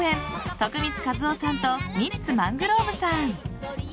徳光和夫さんとミッツ・マングローブさん。